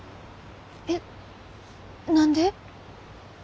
えっ何で？